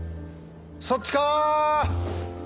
そっちか！